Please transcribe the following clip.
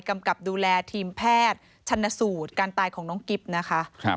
กำกับดูแลทีมแพทย์ชันสูตรการตายของน้องกิ๊บนะคะ